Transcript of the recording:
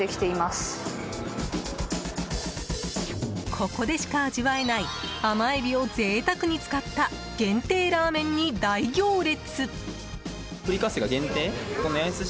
ここでしか味わえない甘エビを贅沢に使った限定ラーメンに大行列！